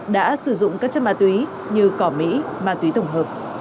đã sử dụng các chất ma túy như cỏ mỹ ma túy tổng hợp